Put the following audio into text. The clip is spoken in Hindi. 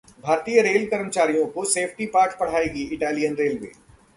भारतीय रेल कर्मचारियों को सेफ्टी पाठ पढ़ाएगी इटालियन रेलवे